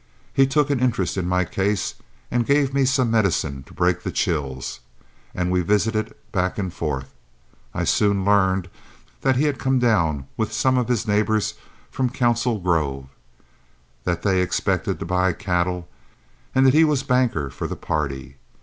He took an interest in my case and gave me some medicine to break the chills, and we visited back and forth. I soon learned that he had come down with some of his neighbors from Council Grove; that they expected to buy cattle, and that he was banker for the party.